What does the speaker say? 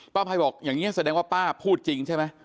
ภัยบอกอย่างนี้แสดงว่าป้าพูดจริงใช่ไหม